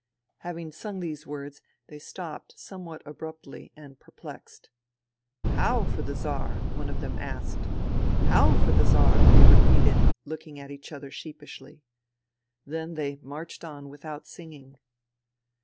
Having sung these words they stopped somewhat abruptly and perplexed. " How for the Czar ?'* one of them asked. " How for the Czar ?'* they repeated, looking at each other sheepishly. Then they marched on without singing.